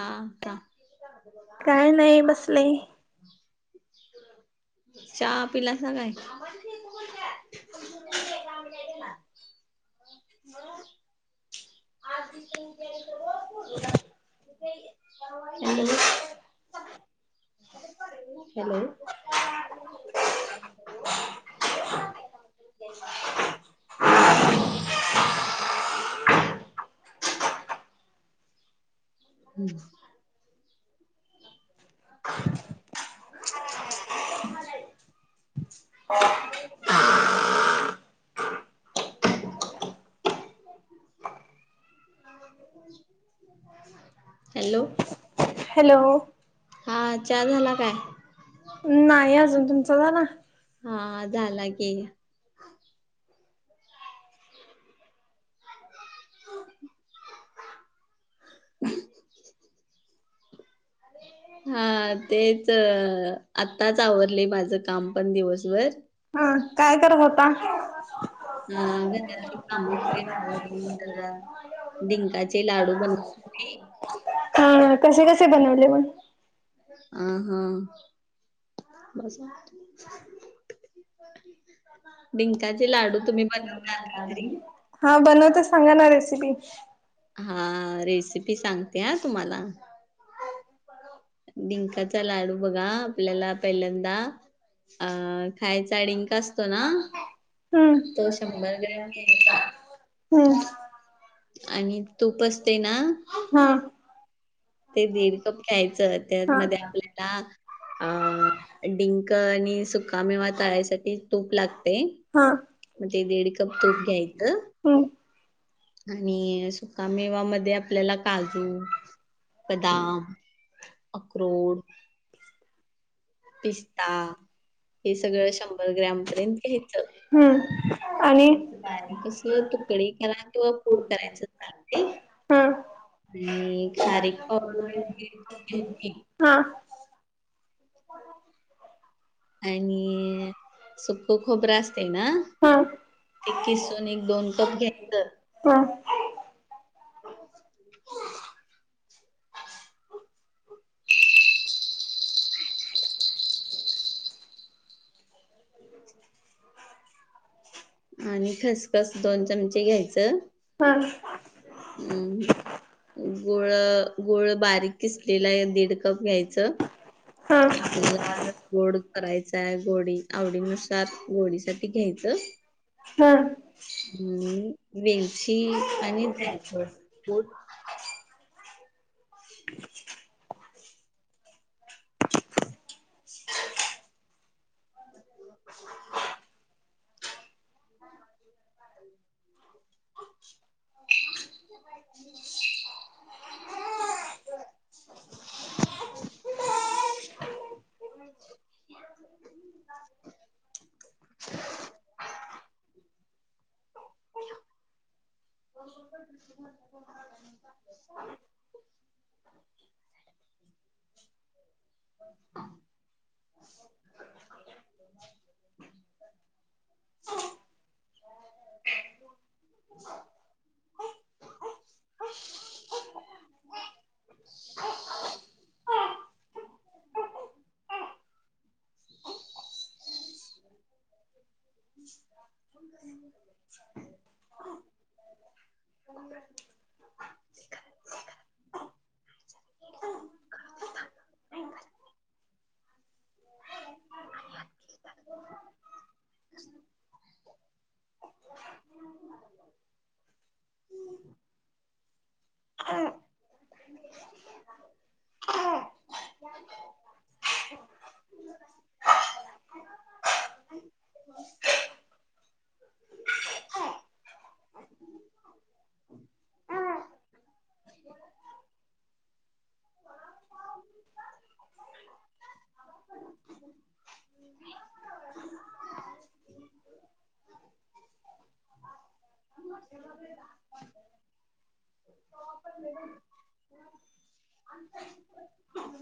हा का काय नाही बसले. चहा पिलासा काय तु [unintelligible] [unintelligible] आ [unintelligible] हॅलो. ह [inaudible] हॅलो [unintelligible] हम्म [unintelligible] [unintelligible] हॅलो हॅलो. हा चहा झाला काय नाही अजून तुमचं झाला हा झाला की का [unintelligible] अ [inaudible] हा तेच आत्ताच आवरले माझं काम पण दिवसभर हा काय करत होता अ घरातली काम [unintelligible] डिंकाचे लाडू बनव हा कसे कसे बनवले मंग अ हा [inaudible] डिंकाचे लाडू तुम्ही बनवून घ हा बनवते सांगा ना रेसिपी हा रेसिपी सांगते हा तुम्हाला डिंकाचा लाडू बघा आपल्याला पहिल्यांदा अ खायचा डिंक असतो ना हम् तो शंभर ग्रॅम [unintelligible] हम् आणि तूप असते ना हा ते दीड कप ख्यायचं हा त्यातमध्ये आपल्याला अ डिंक आणि सुकामेवा तळायसाठी तूप लागते हा म्हणज ते दीड कप तूप घ्यायचं हम्म. आणि सुकामेवा मध्ये आपल्याला काल बदाम अक्ररोड [inaudible] हे सगळं शंभर ग्रॅम पर्यंत घ्यायचं हम्म आणि आणि कस तुकडे ला किंवा पूड करायच हम् पावडर घ्यायची हा आणि सुख खोबरं असते ना हा एक किसून एक दोन कप घ्या हा [unintelligible] [inaudible] आणि खसखस दोन चमचे घ्यायचं हा हम् गुळ गुळ बारीक किसलेला आहे दीड कप घ्यायचं हा आपल्याला गोड करायचाय गोडी आवडीनुसार गोडीसाठी घ्यायच हा. ह. हम् वेलची आणि जाय. हा. [unintelligible] [unintelligible] ह. [unintelligible] [unintelligible] [unintelligible] ह [unintelligible] [unintelligible] [unintelligible] [unintelligible] [unintelligible] हा. ह. [unintelligible] हा. [unintelligible] ले. आता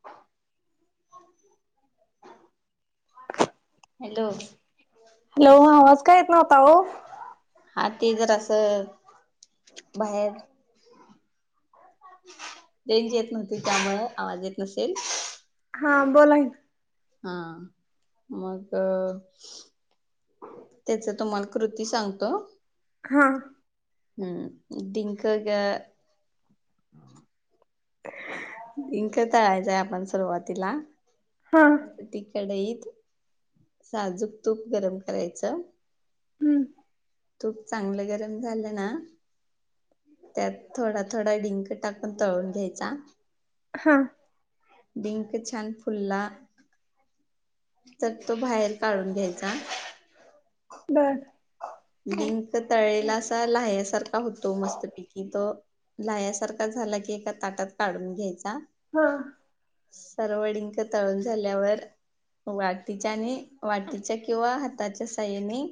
[unintelligible] हॅलो हॅलो आवाज काय येत नवता हो. हा ते जर असं बाहेर ंज येत नव्हती त्यामु आवाज येत नसेल. हा बोला की हा मग त्याच तुम्हाला कृती सांगतो हा हम्. दिंक का? इंक तळायचंय आपण सुरुवातीला हा हम्म तिकडे साजूक तूप गरम करायचं. खूप चांगलं गरम झालं ना त्यात थोडा थोडा डिंक टाक. पण तळून घ्यायचा. हा. डिंक छान फुल्ला. तर तो बाहेर काढून घ्यायचा. बर लिंक तळेला असा ल्यासारखा होतो मस्त पैकी तो लायासारखा झाला की एका ताटात काढून घ्यायचा. हा. सर्वडंक तळून झाल्यावर वाटीच्या आणि वाटीच्या किंवा हाताच्या साय्याने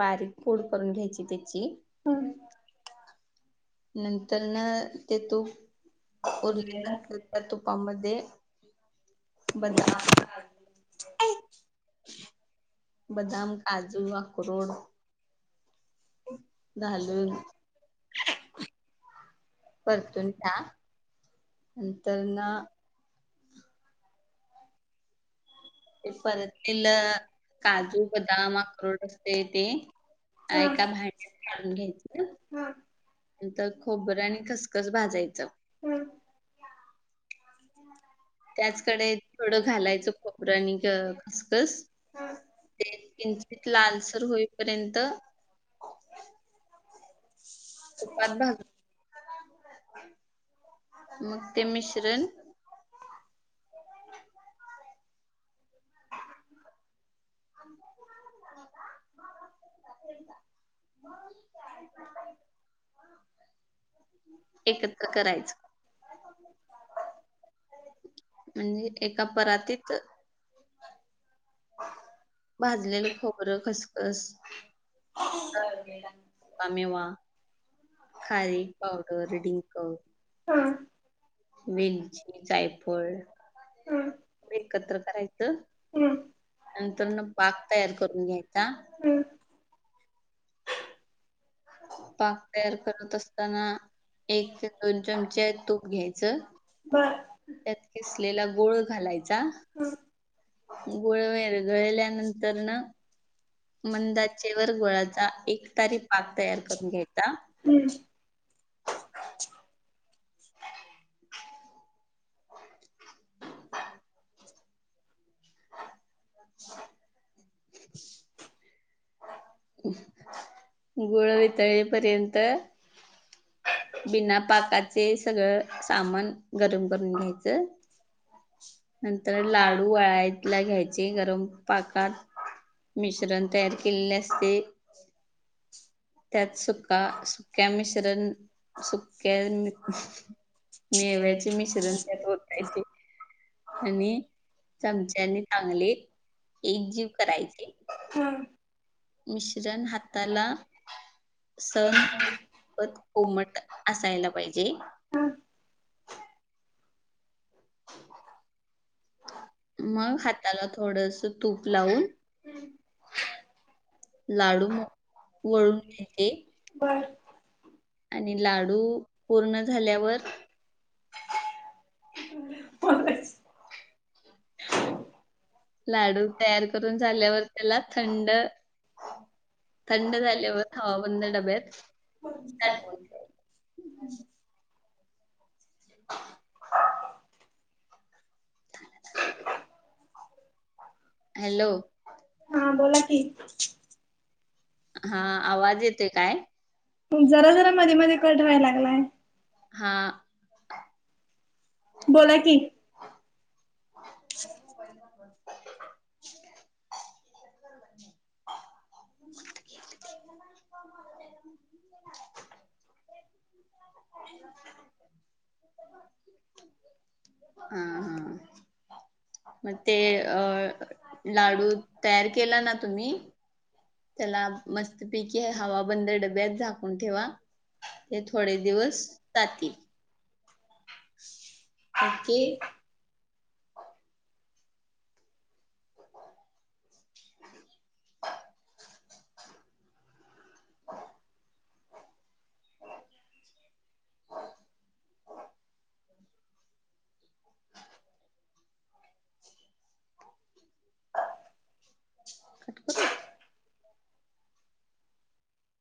बारीक पोड करून घ्यायची त्याची हम. नंतर ना ते तू ओरले. तुपामध्ये बदाम बदम काजू अक्रोड घालून. परतून द्या. नंतर ना. ते परतील काजू बदाम अख्रोट असते ते ऐ का भडून घ्यायच. नंतर खोबर आणि खसखस भाजायचं. हम्. त्याचकडे थोडं घालायचं खोबर आणि खसखस. ते किंचित लालसर होईपर्यंत कपात भाज मग ते मिश्रण [unintelligible] ह. [unintelligible] मग एकत्र करायचं. खं. म्हणजे एका परातीत भाजलेलं खोबरं खसखस. ह सर्व का मेवा खारी पावडर ड्रिंकर वेलची, जायफळ एकत्र करायचं. नंतर न पाक तयार करून घ्यायचा. हम्. पाक तयार करत असताना. एक ते दोन चमचे तूप घ्यायच. बर त्यात खिसलेला गोळ घालायचा. गुळ विरघळण्यनंतर मंदा अचेवर गोळाचा एकतारी पाक तयार करून घ्यायचा. हम्म. का? [unintelligible] गुळ वितळेपर्यंत बिना पाकाचे सगळं सामान गरम करून घ्यायचं. नंतर लाडू वळाय. ला घ्यायचे गरम पाकात मिश्रण तयार केलेले असते. त्यात सुका सुक्या मिश्रण सुक्या मेव्याचे मिश्रण त्यात वाट्याचे आणि चमच्यानी चांगले एकजीव करायचे. हम. मिश्रण हाताला सणत कोमट असायला पाहिजे. [unintelligible] मग हाताला थोडस तूप लावून. लाडू मळून घेते. आणि लाडू पूर्ण झाल्यावर बरं. लाडू तयार करून झाल्यावर त्याला थंड. थंड झाल्यावर हवाबंद डब्यात ठेवायचे हा. ह. हॅलो हा बोला की हा आवाज येते काय? जरा जरा मध्ये मध्ये कट व्हाय लागलाय. हा. बोला की [unintelligible] हा हा मग ते अ लाडू तयार केला ना तुम्ही त्याला मस्तपैकी आहे हवा बंदर डब्यात झाकून ठेवा ते थोडे दिवस जातील ओके हो ह हा कटप